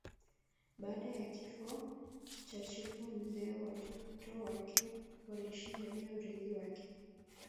Baada ya kifo cha chifu mzee watoto wake walishindania urithi wake